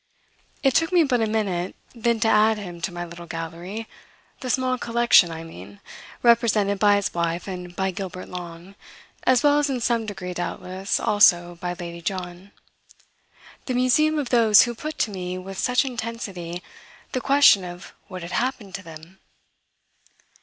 It took me but a minute then to add him to my little gallery the small collection, I mean, represented by his wife and by Gilbert Long, as well as in some degree doubtless also by Lady John: the museum of those who put to me with such intensity the question of what had happened to them.